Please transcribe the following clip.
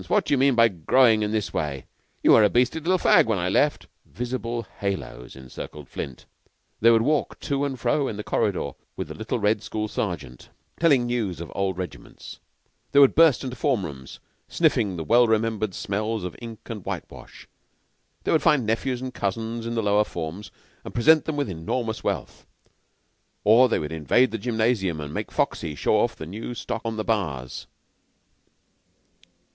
What do you mean by growing in this way? You were a beastly little fag when I left," visible haloes encircled Flint. They would walk to and fro in the corridor with the little red school sergeant, telling news of old regiments; they would burst into form rooms sniffing the well remembered smells of ink and whitewash; they would find nephews and cousins in the lower forms and present them with enormous wealth; or they would invade the gymnasium and make Foxy show off the new stock on the bars.